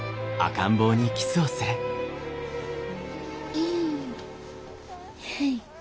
うんはい。